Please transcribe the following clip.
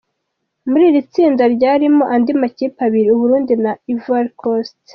Muri iri tsinda ryarimo andi makipe abiri u Burundi na Ivory Coast.